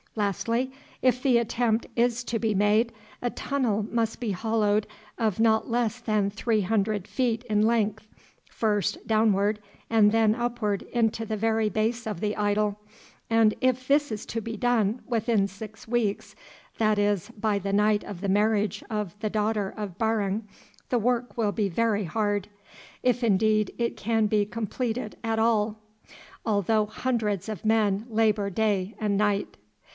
Lastly, if the attempt is to be made, a tunnel must be hollowed of not less than three hundred feet in length, first downward and then upward into the very base of the idol, and if this is to be done within six weeks, that is, by the night of the marriage of the daughter of Barung, the work will be very hard, if indeed it can be completed at all, although hundreds of men labour day and night."